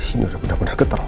ini udah benar benar keterlaluan